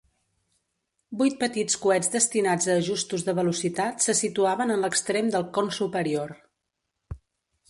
Vuit petits coets destinats a ajustos de velocitat se situaven en l'extrem del con superior.